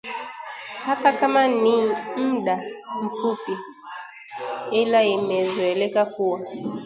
hata kama ni 'muda mfupi' ila imezoeleka kuwa